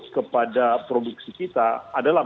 kepada produksi kita adalah